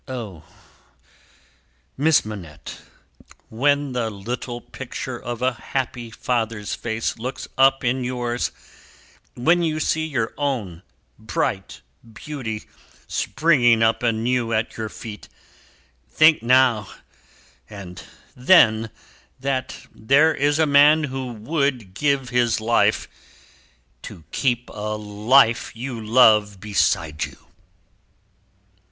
O Miss Manette, when the little picture of a happy father's face looks up in yours, when you see your own bright beauty springing up anew at your feet, think now and then that there is a man who would give his life, to keep a life you love beside you!"